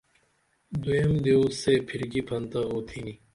دوئیم دیو سے پھرکی پھنتہ اوتھینی